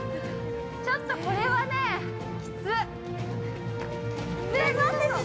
ちょっとこれはね、きっつ。